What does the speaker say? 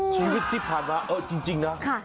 ชีวิตที่ผ่านมาเออจริงนะ